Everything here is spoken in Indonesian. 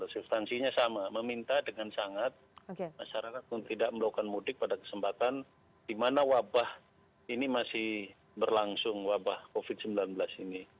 substansinya sama meminta dengan sangat masyarakat untuk tidak melakukan mudik pada kesempatan di mana wabah ini masih berlangsung wabah covid sembilan belas ini